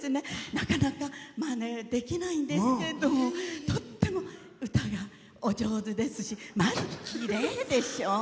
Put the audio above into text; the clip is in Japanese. なかなかまねできないんですけどとっても歌がお上手ですしまず、きれいでしょ？